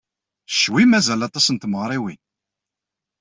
Cwi mazal aṭas n tmeɣriwin